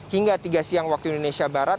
hingga tiga siang waktu indonesia barat